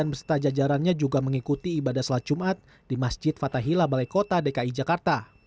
dan beserta jajarannya juga mengikuti ibadah sholat jumat di masjid fatahila balai kota dki jakarta